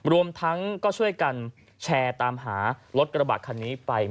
รวมทั้งก็ช่วยกันแชร์ตามหารถกระบะคันนี้ไป